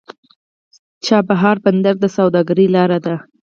چابهار بندر د سوداګرۍ لار ده.